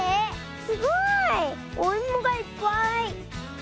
すごい。おいもがいっぱい。